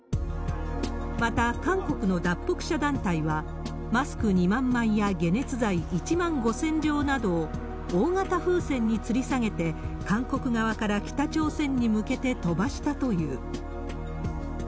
また韓国の脱北者団体はマスク２万枚や解熱剤１万５０００錠などを、大型風船につり下げて韓国側から北朝鮮に向けて飛ばしたという。